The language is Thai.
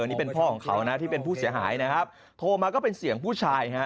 นี่เป็นพ่อของเขานะที่เป็นผู้เสียหายนะครับโทรมาก็เป็นเสียงผู้ชายฮะ